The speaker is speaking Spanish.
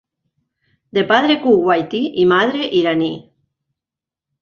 De padre kuwaití y madre iraní.